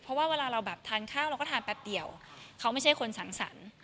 เพราะว่าเวลาเราแบบทานข้าวเราก็ทานแป๊บเดียวเขาไม่ใช่คนสังสรรค์